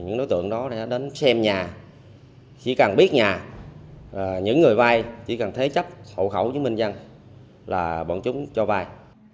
những đối tượng đó đến xem nhà chỉ cần biết nhà những người vay chỉ cần thế chấp hộ khẩu chứng minh nhân là bọn chúng cho vay